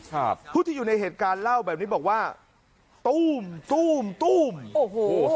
ครับผู้ที่อยู่ในเหตุการณ์เล่าแบบนี้บอกว่าตู้มตู้มตู้มโอ้โห